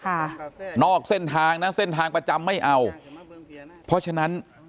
ค่ะนอกเส้นทางนะเส้นทางประจำไม่เอาเพราะฉะนั้น